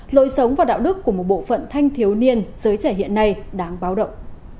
lối sống và đạo đức của một bộ phận thanh thiếu niên giới trẻ hiện nay đáng báo động